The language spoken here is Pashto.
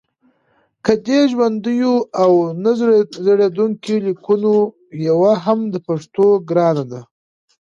له دې ژوندیو او نه زړېدونکو لیکونو یوه هم د پښتو ګرانه ده